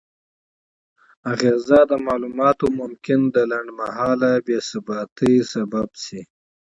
اغیزه: دا معلومات ممکن د لنډمهاله بې ثباتۍ لامل شي؛